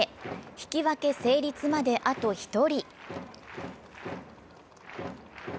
引き分け成立まであと１人。